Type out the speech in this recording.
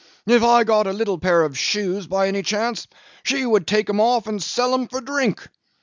If I got a little pair of shoes by any chance, she would take 'em off and sell 'em for drink.